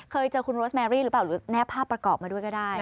เคยเจอคุณโรสแมรี่หรือเปล่าหรือแนบภาพประกอบมาด้วยก็ได้